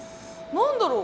何だろう？